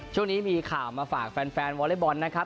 ช่วงนี้มีข่าวมาฝากแฟนวอเล็กบอลนะครับ